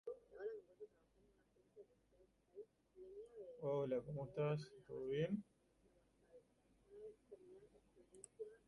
Mientras Jacob y Daniel aseguran el Tel’tak, Jack y Sam van buscar a Teal'c.